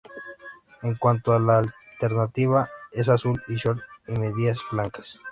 En cuanto a la de alternativa es azul y short y medias blancas.